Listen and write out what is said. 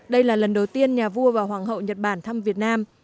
đây là lần đầu tiên nhà vua và hoàng hậu nhật bản thăm việt nam